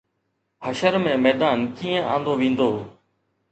حشر ۾ ميدان ڪيئن آندو ويندو؟